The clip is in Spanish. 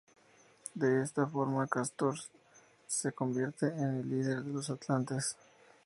De esta forma Cástor se convierte en el líder de los atlantes.